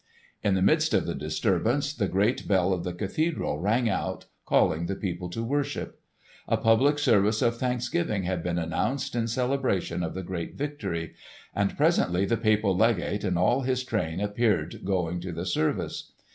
In the midst of the disturbance the great bell of the cathedral rang out calling the people to worship. A public service of thanksgiving had been announced in celebration of the great victory; and presently the Papal Legate and all his train appeared going to the service.